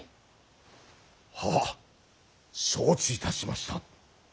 ははっ承知いたしました。